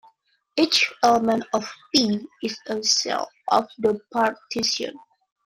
Each element of "P" is a "cell" of the partition.